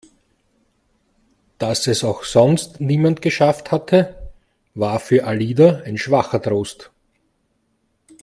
Dass es auch sonst niemand geschafft hatte, war für Alida ein schwacher Trost.